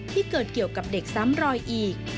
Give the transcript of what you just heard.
ที่เกิดเกี่ยวกับเด็กซ้ำรอยอีก